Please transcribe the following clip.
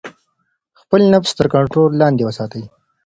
خپل نفس تر کنټرول لاندې وساتئ.